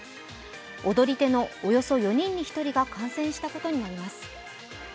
踊り手のおよそ４人に１人が感染したことになります。